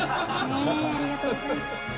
ありがとうございます。